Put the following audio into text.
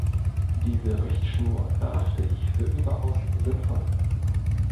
Diese Richtschnur erachte ich für überaus sinnvoll.